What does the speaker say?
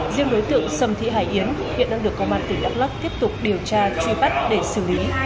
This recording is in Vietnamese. riêng đối tượng sâm thị hải yến hiện đang được công an tỉnh đắk lóc tiếp tục điều tra truy bắt để xử lý